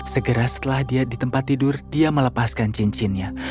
segera setelah dia di tempat tidur dia berkata